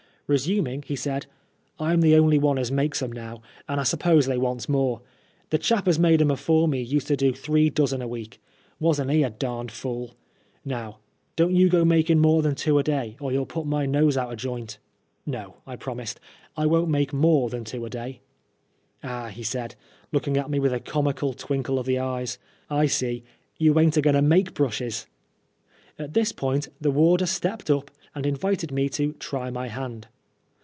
Resuming, he said :" I'm the only one as makes 'em now, and I s'pose they wants more. The chap as made 'em afore me used to do three dozen a week. Wasn't he a darned fool ? Now, don*t you go makin' more than two a day, or you'll put my nose out of joint." " No," I promised, " I won't make more than two a day." " Ah," he said, looking at me with a comical twinkle of the eyes, " I see you ain't a goin' to make brushes." At this point the warder stepped up, and invited me to "try my hand."